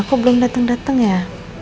kok belum dateng dateng ya